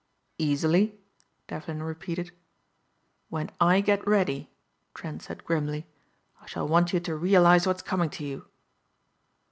"Easily?" Devlin repeated. "When I get ready," Trent said grimly, "I shall want you to realize what's coming to you."